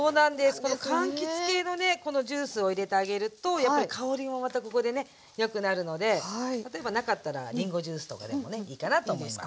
このかんきつ系のねこのジュースを入れてあげるとやっぱり香りもまたここでねよくなるので例えばなかったらりんごジュースとかでもねいいかなと思います。